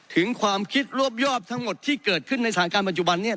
ถึงความคิดรวบยอบทั้งหมดที่เกิดขึ้นในสถานการณ์ปัจจุบันนี้